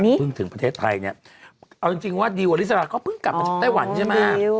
อีกแล้วพึ่งถึงประเทศไทยเนี่ยเอาจริงจริงว่าดิวอลิสระก็พึ่งกลับมาจากไต้หวันใช่ไหม